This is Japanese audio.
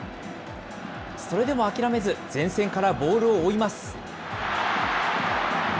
それでも諦めず、前線からボールを追います。